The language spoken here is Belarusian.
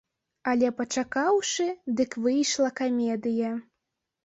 Але пачакаўшы, дык выйшла камедыя.